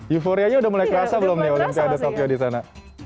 euforianya udah mulai kerasa belum nih olimpiade tokyo di sana